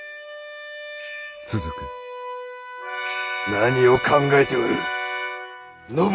何を考えておる信長！